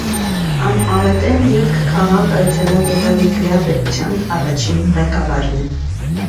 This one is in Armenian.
Ան աղէտէն ետք քաղաք այցելած օտարերկրեայ պետութեան առաջին ղեկավարն է։